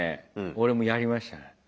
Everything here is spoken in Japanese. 俺もやりましたね。